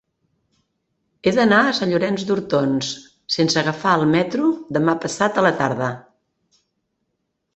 He d'anar a Sant Llorenç d'Hortons sense agafar el metro demà passat a la tarda.